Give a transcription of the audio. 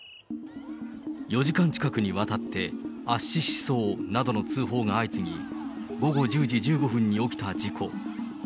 ４時間近くにわたって、圧死しそうなどの通報が相次ぎ、午後１０時１５分に起きた事故。